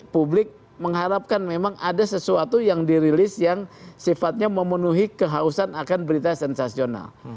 publik mengharapkan memang ada sesuatu yang dirilis yang sifatnya memenuhi kehausan akan berita sensasional